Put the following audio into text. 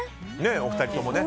お二人ともね。